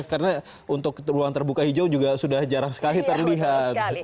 karena untuk ruang terbuka hijau juga sudah jarang sekali terlihat